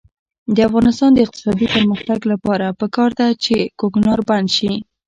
د افغانستان د اقتصادي پرمختګ لپاره پکار ده چې کوکنار بند شي.